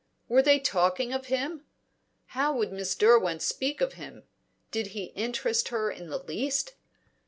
Were they talking of him? How would Miss Derwent speak of him? Did he interest her in the least?